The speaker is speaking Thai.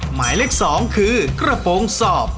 หมายเลข๒คือกระโปรงสอบ